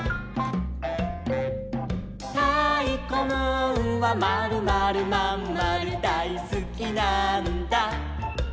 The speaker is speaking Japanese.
「たいこムーンはまるまるまんまるだいすきなんだ」